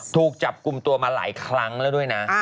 ถูกจับกลุ่มตัวมาหลายครั้งแล้วด้วยนะ